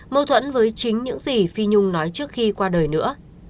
mâu thuẫn với chính những gì phi nhung nói trước khi qua đời nữa